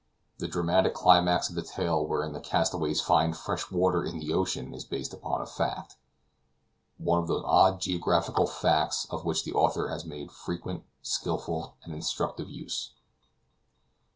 The dramatic climax of the tale wherein the castaways find fresh water in the ocean is based upon a fact, one of those odd geographical facts of which the author made such frequent, skillful and instructive use.